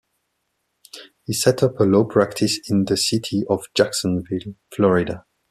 He set up a law practice in the city of Jacksonville, Florida.